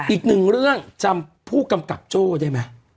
อีกหนึ่งเรื่องจำผู้กำกับโจ้ได้ไหม